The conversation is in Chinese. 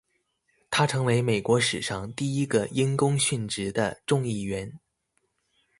他成为美国史上第一个因公殉职的众议员。